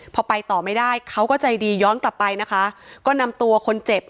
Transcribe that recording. พอไปต่อไม่ได้เขาก็ใจดีย้อนกลับไปนะคะก็นำตัวคนเจ็บ